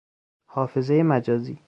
حافظهی مجازی